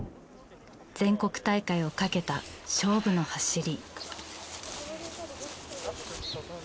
全国大会をかけた勝負の走り。